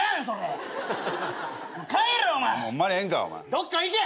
どっか行け！